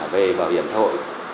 về bảo hiểm xã hội